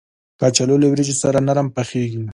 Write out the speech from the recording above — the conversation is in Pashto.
کچالو له وریجو سره نرم پخېږي